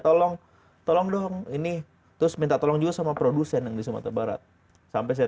tolong tolong dong ini terus minta tolong juga sama produsen yang di sumatera barat sampai saya